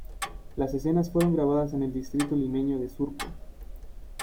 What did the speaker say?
Las escenas fueron grabadas en el distrito limeño de Surco.